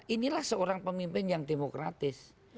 inilah seorang pemimpin yang demokratis